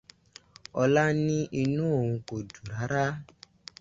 Ọlá ní inú òun kò dùn rárá.